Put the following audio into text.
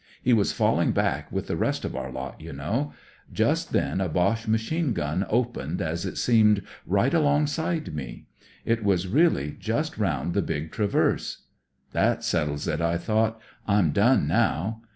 He was falling back with the rest of our lot, you know. Just then a Boche machine gun opened as it seemed right along THE DEVIL'S WOOD 88 side me. It was really just round the big traverse. *That settles it,' I thought. 'I'm done now.'